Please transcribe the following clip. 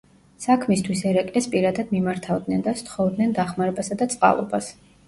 საქმისთვის ერეკლეს პირადად მიმართავდნენ და სთხოვდნენ დახმარებასა და წყალობას.